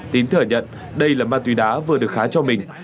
tín thừa nhận đây là ma túy đá vừa được khá cho mình